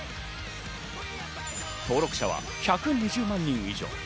登録者は１２０万人以上。